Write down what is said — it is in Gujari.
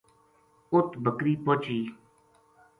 اُت بکری پوہچی